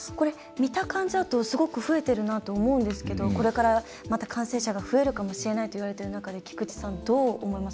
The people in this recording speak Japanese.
見た感じだとすごく増えているなと思うんですけどこれから、また感染者が増えるかもしれないといわれている中で菊池さん、どう思います？